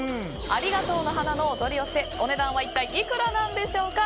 ありがとうの花のお取り寄せお値段は一体いくらなんでしょうか。